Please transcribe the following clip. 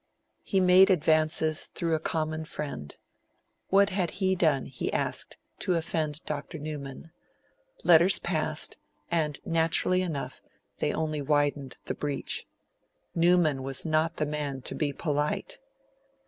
He made advances through a common friend; what had he done, he asked, to offend Dr. Newman? Letters passed, and, naturally enough, they only widened the breach. Newman was not the man to be polite.